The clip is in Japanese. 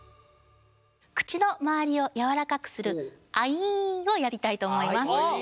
口の周りをやわらかくするアイーンをやりたいと思います。